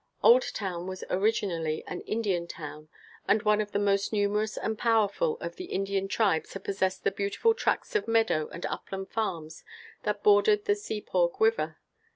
Oldtown was originally an Indian town, and one of the most numerous and powerful of the Indian tribes had possessed the beautiful tracts of meadow and upland farms that bordered the Sepaug River.